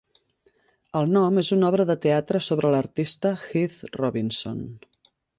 El nom és una obra de teatre sobre l'artista Heath Robinson.